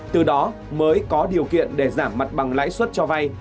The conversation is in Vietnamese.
từ đó mới có điều kiện để giảm mặt bằng lãi suất cho vay